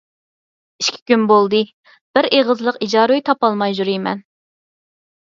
ئىككى كۈن بولدى، بىر ئېغىزلىق ئىجارە ئۆي تاپالماي يۈرىمەن.